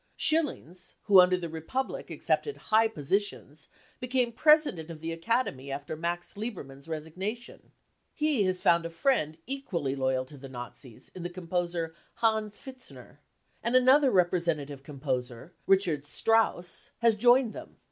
Schillings, who under the Republic accepted high positions, became president of the Academy after Max Liebermann's resignation. He has found a friend equally loyal to the Nazis in the composer Hans Pfitzner ; and another representative composer, Richard Strauss, has joined them.